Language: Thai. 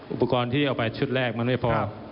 อุปกรณ์ที่เอาไปชุดแรกมันไม่พอ